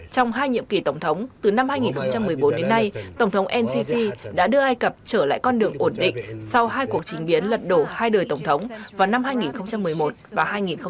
trong hai nhiệm kỳ tổng thống từ năm hai nghìn một mươi bốn đến nay tổng thống ncc đã đưa ai cập trở lại con đường ổn định sau hai cuộc trình biến lật đổ hai đời tổng thống vào năm hai nghìn một mươi một và hai nghìn một mươi